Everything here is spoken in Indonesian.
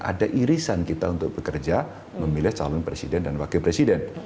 ada irisan kita untuk bekerja memilih calon presiden dan wakil presiden